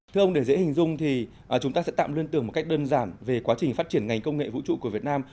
thưa ông để dễ hình dung thì chúng ta sẽ tạm liên tưởng một cách đơn giản về quá trình phát triển ngành công nghệ vũ trụ của việt nam